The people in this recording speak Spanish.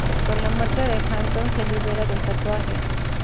Con la muerte de Phantom se libera del tatuaje.